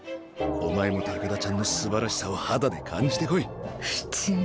お前も高田ちゃんのすばらしさを肌で感じてこい。